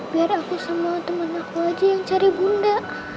biar aku sama teman aku aja yang cari bunda